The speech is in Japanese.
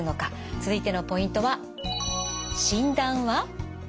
続いてのポイントは「診断は？」。